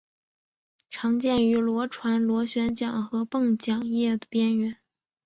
常见于轮船螺旋桨和泵桨叶的边缘。